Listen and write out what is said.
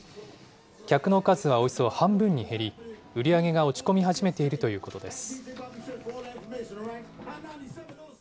客の数はおよそ半分に減り、売り上げが落ち込み始めているということです。